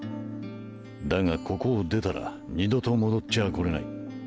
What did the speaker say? だがここを出たら二度と戻っちゃあ来れない。